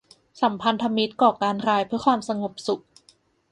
สัมพันธมิตรก่อการร้ายเพื่อความสงบสุข